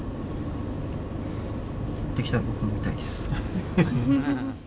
できたら僕も見たいです。